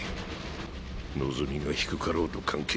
望みが低かろうと関係ない。